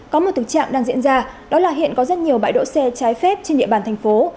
có một thực trạng đang diễn ra đó là hiện có rất nhiều bãi đỗ xe trái phép trên địa bàn thành phố